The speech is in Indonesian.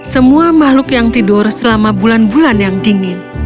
semua makhluk yang tidur selama bulan bulan yang dingin